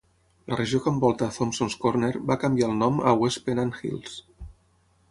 La regió que envolta Thompsons Corner va canviar el nom a West Pennant Hills.